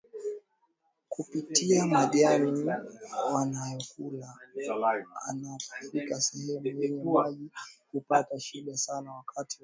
kupitia majani wanayo kula Anapo fika sehemu yenye maji hupata shida sana wakati wa